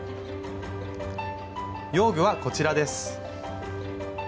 用具はこちらです。